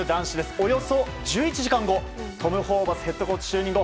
およそ１１時間後トム・ホーバスヘッドコーチ就任後